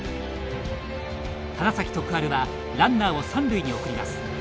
花咲徳栄はランナーを三塁に送ります。